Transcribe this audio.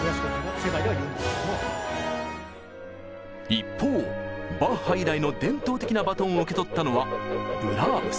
一方バッハ以来の伝統的なバトンを受け取ったのはブラームス。